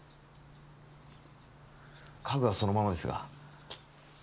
家具はそのままですが。